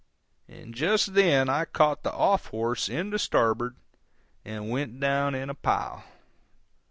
And just then I caught the off horse in the starboard and went down in a pile.